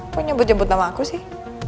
kok nyebut jebut nama aku sih